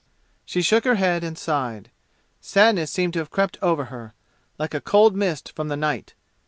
She shook her head and sighed. Sadness seemed to have crept over her, like a cold mist from the night.